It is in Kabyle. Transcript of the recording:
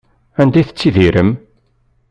Anda tettttidirem?